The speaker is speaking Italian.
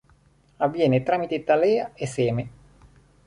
Avviene tramite talea e seme.